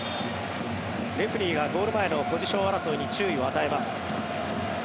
レフェリーがゴール前のポジション争いに注意を与えます。